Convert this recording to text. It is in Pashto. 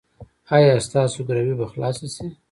ایا ستاسو ګروي به خلاصه شي؟